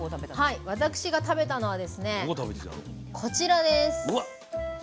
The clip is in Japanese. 私が食べたのはですねこちらです。